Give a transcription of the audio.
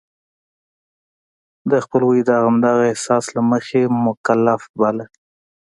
د خپلوی د همدغه احساس له مخې مکلف باله.